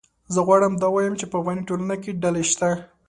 زه غواړم دا ووایم چې په افغاني ټولنه کې ډلې شته